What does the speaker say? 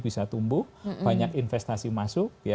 bisa tumbuh banyak investasi masuk